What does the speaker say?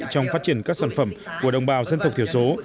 trong phát triển các sản phẩm của đồng bào dân tộc thiểu số